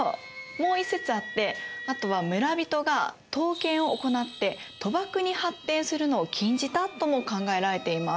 もう一説あってあとは村人が闘犬を行って賭博に発展するのを禁じたとも考えられています。